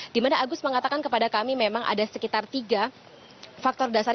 dimana agus mengatakan kepada kami memang ada sekitar tiga faktor dasar